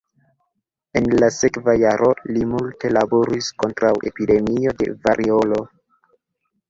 En la sekva jaro li multe laboris kontraŭ epidemio de variolo.